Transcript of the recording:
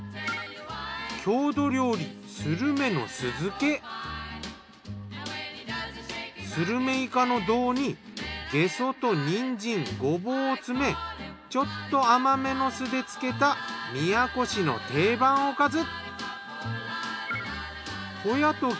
郷土料理スルメイカの胴にゲソとにんじんごぼうを詰めちょっと甘めの酢で漬けた宮古市の定番おかず。